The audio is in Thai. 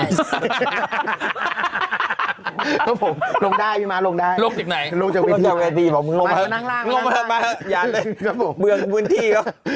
ครับผมลงได้พี่ม้าลงได้ลงจากเวทีบอกมึงลงมาเถอะลงมาเถอะมาเถอะอย่าเลยเบื้องพื้นที่